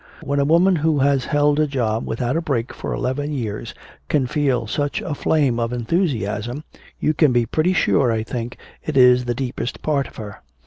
When a woman who has held a job without a break for eleven years can feel such a flame of enthusiasm, you can be pretty sure, I think, it is the deepest part of her.